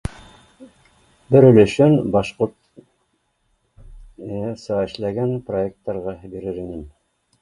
Бер өлөшөн башҡортса эшләгән проекттарға бирер инем